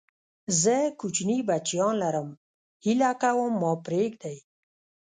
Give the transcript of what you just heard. زه کوچني بچيان لرم، هيله کوم ما پرېږدئ!